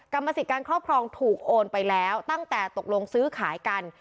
กรรมสิทธิ์การครอบครองถูกโอนไปแล้วตั้งแต่ตกลงซื้อขายกัน